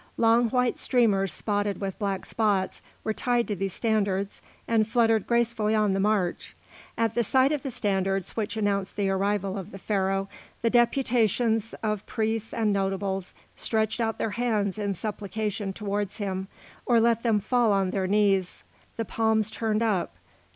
Long white streamers spotted with black spots were tied to these standards, and fluttered gracefully on the march. At the sight of the standards which announced the arrival of the Pharaoh, the deputations of priests and notables stretched out their hands in supplication towards him, or let them fall on their knees, the palms turned up.